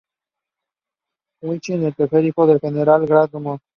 Guiche es el tercer hijo del general Gramont.